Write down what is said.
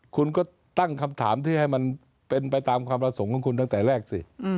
คุณก็ตั้งคำถามที่ให้มันเป็นไปตามความประสงค์ของคุณตั้งแต่แรกสิ